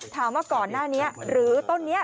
ถามว่าก่อนหน้านี้หรือต้นนี้